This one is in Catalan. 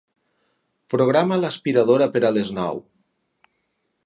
Programa l'aspiradora per a les nou.